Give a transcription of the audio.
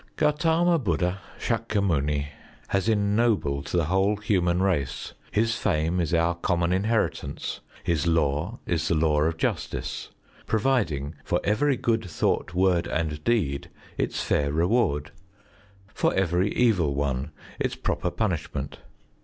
Gaut╠Żama Bud╠Żd╠Żha, S─ükya Muni, has ennobled the whole human race. His fame is our common inheritance. His Law is the law of Justice, providing for every good thought, word and deed its fair reward, for every evil one its proper punishment.